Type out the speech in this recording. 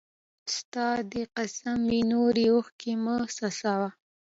ستا! دي قسم وي نوري اوښکي مه څڅوه